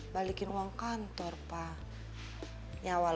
balikin uang kantor pak ya walaupun itu kantornya mama sendiri tapi kan mama harus